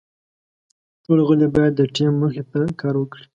ټول غړي باید د ټیم موخې ته کار وکړي.